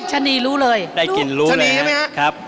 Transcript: ชะนีรู้เลยได้กลิ่นรู้เลยนะครับ